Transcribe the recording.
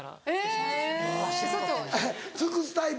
尽くすタイプ？